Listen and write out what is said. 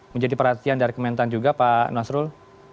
menjadi perhatian dan rekomendasi juga pak nasrul